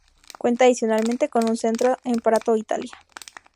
Cuenta adicionalmente con un centro en Prato, Italia.